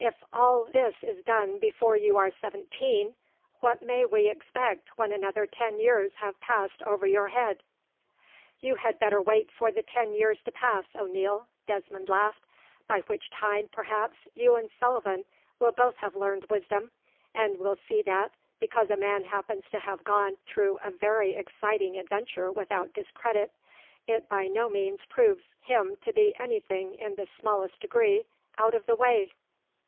"If all this is done before you are seventeen, what may we expect when another ten years have passed over your head?" "You had better wait for the ten years to pass, O'Neil," Desmond laughed; "by which time, perhaps, you and O'Sullivan will both have learned wisdom, and will see that, because a man happens to have gone through a very exciting adventure without discredit, it by no means proves him to be anything in the smallest degree out of the way."